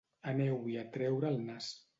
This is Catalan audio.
Aneu-hi a treure el nas.